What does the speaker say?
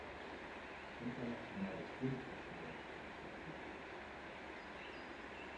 Internationales Filmfestival von Stockholm